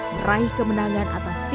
meraih kemenangan atas kondisi